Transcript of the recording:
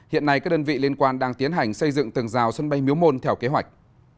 hiện nay các đơn vị liên quan đang tiến hành xây dựng tường rào sân bay miếu môn theo kế hoạch